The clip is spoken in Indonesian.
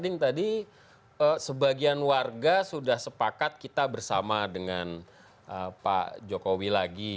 yang tadi sebagian warga sudah sepakat kita bersama dengan pak jokowi lagi